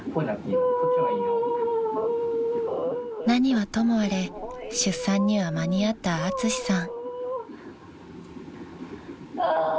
［何はともあれ出産には間に合ったアツシさん］